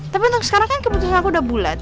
tapi untuk sekarang kan keputusan aku udah bulat